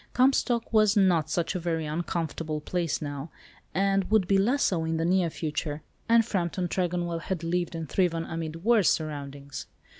Comstock was not such a very uncomfortable place now, and would be less so in the near future, and Frampton Tregonwell had lived and thriven amid worse surroundings.